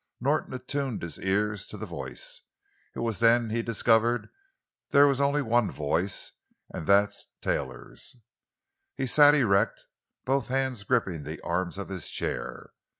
Norton attuned his ears to the voice. It was then he discovered there was only one voice, and that Taylor's. He sat erect, both hands gripping the arms of his chair.